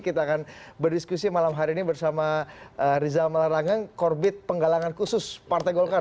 kita akan berdiskusi malam hari ini bersama rizal malarangeng korbit penggalangan khusus partai golkar